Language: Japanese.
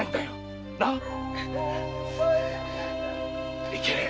〔いけねえ！